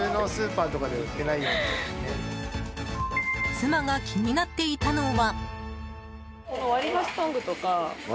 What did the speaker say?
妻が気になっていたのは。